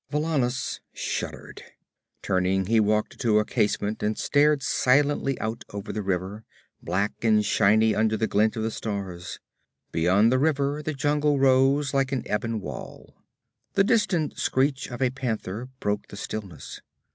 Valannus shuddered. Turning, he walked to a casement and stared silently out over the river, black and shiny under the glint of the stars. Beyond the river the jungle rose like an ebony wall. The distant screech of a panther broke the stillness.